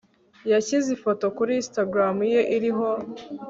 yashyize ifoto kuri Instagram ye iriho